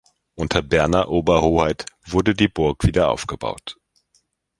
Unter Berner Oberhoheit wurde die Burg wieder aufgebaut.